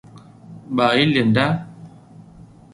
bà ấy liền đáp